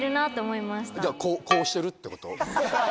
こうしてるってこと？